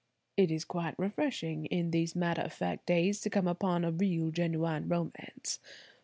"It is quite refreshing in these matter of fact days to come upon a real genuine romance.